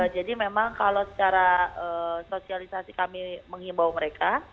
jadi memang kalau secara sosialisasi kami mengimbau mereka